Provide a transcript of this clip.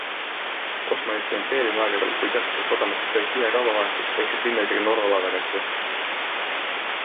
Osmanite impeeriumi aegadel, kui sealsetes sadamates käis tihe kaubavahetus, eksis linna isegi Norra laevakasse.